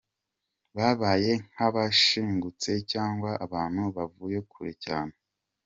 Babaye nk’abashigutse cyangwa abantu abavuye kure cyane.